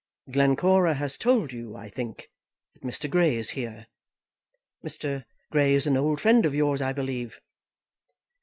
"Glencora has told you, I think, that Mr. Grey is here? Mr. Grey is an old friend of yours, I believe?"